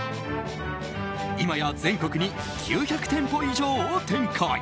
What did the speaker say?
今や全国に９００店舗以上を展開。